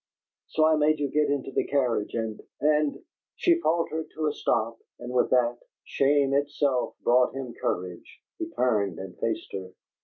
So I made you get into the carriage and and " She faltered to a stop, and with that, shame itself brought him courage; he turned and faced her.